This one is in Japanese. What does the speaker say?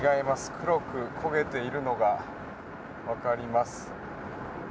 黒く焦げているのがわかります。